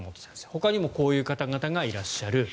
ほかにもこういう方々がいらっしゃる。